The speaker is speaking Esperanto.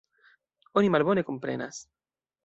Oni malbone komprenas.